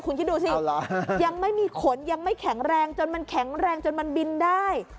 คุณคิดดูสิยังไม่มีขนยังไม่แข็งแรงจนมันแข็งแรงจนมันบินได้